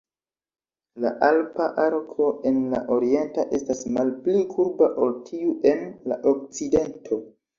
La alpa arko en la oriento estas malpli kurba ol tiu en la okcidento.